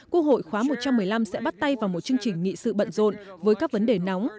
quốc hội khóa một trăm một mươi năm sẽ bắt tay vào một chương trình nghị sự bận rộn với các vấn đề nóng